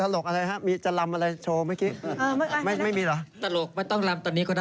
ในหัวใจและความภาบ่อพี่ช้ายบ่อายเผา